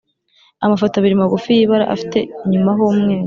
amafoto abili magufi y’ibara afite inyuma h’umweru